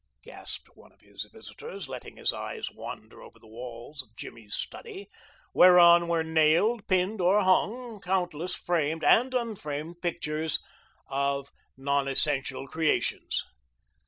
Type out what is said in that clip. gasped one of his visitors, letting his eyes wander over the walls of Jimmy's study, whereon were nailed, pinned or hung countless framed and unframed pictures of non essential creations.